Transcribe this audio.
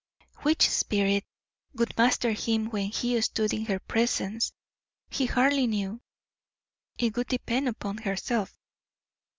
Which spirit would master him when he stood in her presence he hardly knew; it would depend upon herself.